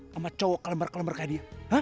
sama cowok kelember kelember kayak dia